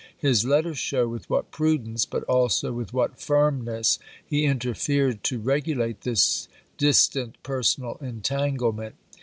His letters show with what prudence, but also with what firmness, he interfered to regulate this distant personal entanglement.